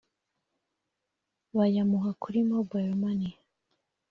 bayamuha kuri mobile money